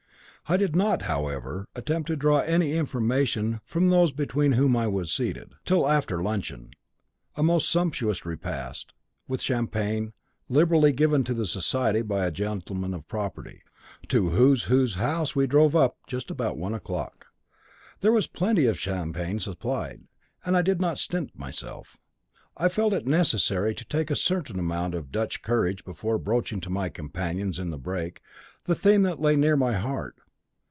I did not, however, attempt to draw any information from those between whom I was seated, till after luncheon, a most sumptuous repast, with champagne, liberally given to the Society by a gentleman of property, to whose house we drove up just about one o'clock. There was plenty of champagne supplied, and I did not stint myself. I felt it necessary to take in a certain amount of Dutch courage before broaching to my companions in the brake the theme that lay near my heart.